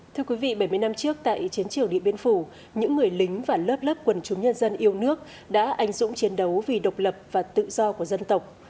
thưa quý vị bảy mươi năm trước tại chiến trường điện biên phủ những người lính và lớp lớp quần chúng nhân dân yêu nước đã anh dũng chiến đấu vì độc lập và tự do của dân tộc